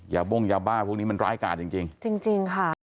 บ้งยาบ้าพวกนี้มันร้ายกาดจริงจริงค่ะ